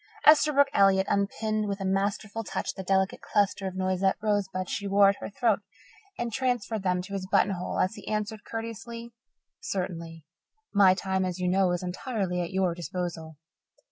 Esterbrook Elliott unpinned with a masterful touch the delicate cluster of Noisette rosebuds she wore at her throat and transferred them to his buttonhole as he answered courteously: "Certainly. My time, as you know, is entirely at your disposal."